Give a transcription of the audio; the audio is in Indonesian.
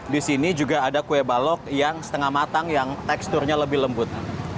di sini juga ada kue balok yang setengah matang yang teksturnya lebih lembut